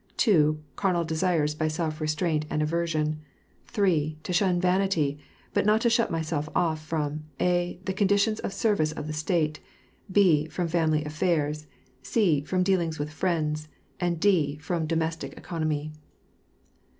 (2) Carnal desires by self restraint and aversion. (3) To shun vanity, but not to shut myself off from (a) the conditions of service of the State; (b) from family affairs; (c) from dealings with friends; (d) and from domestic economy.